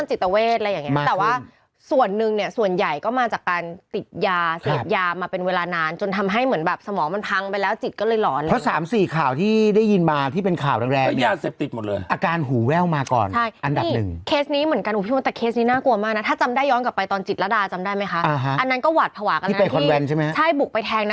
ซีนี่อันนดับหนึ่งเนี่ยส่วนใหญ่ก็มาจากการติดยาเสียบยามาเป็นเวลานานจนทำให้เหมือนแบบสมองมันพังไปแล้วจิตก็เลยหลอนเลยเพราะสามสี่ข่าวที่ได้ยินมาที่เป็นข่าวแรงนี่อาการหูแว่วมาก่อนอันดับหนึ่งค่ะ